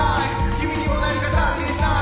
君にも何か足りない